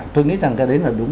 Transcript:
tôi nghĩ rằng cái đấy là đúng